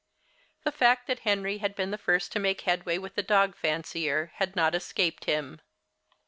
The fact that Henry had been the first to make headway with the dog fancier, had not escaped him.